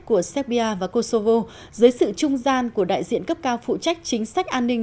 của serbia và kosovo dưới sự trung gian của đại diện cấp cao phụ trách chính sách an ninh